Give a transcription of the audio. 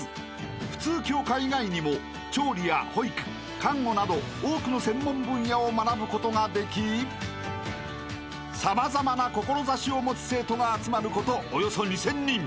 ［普通教科以外にも調理や保育看護など多くの専門分野を学ぶことができ様々な志を持つ生徒が集まることおよそ２，０００人］